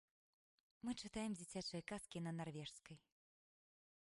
Мы чытаем дзіцячыя казкі на нарвежскай.